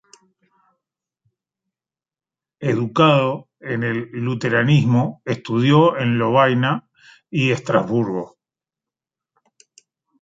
Educado en el luteranismo, estudió en Lovaina y Estrasburgo.